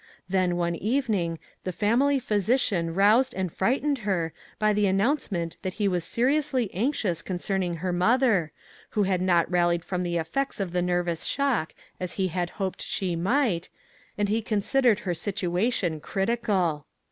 Then, one eve ning, the family physician roused and fright 392 "WHAT ELSE COULD ONE DO?" ened her by the announcement that he was seri ously anxious concerning her mother, who had not rallied from the effects of the nervous shock as he had hoped she might, and he con sidered her situation critical.